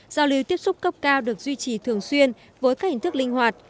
giao lưu tiếp xúc cấp cao được duy trì thường xuyên với các hình thức linh hoạt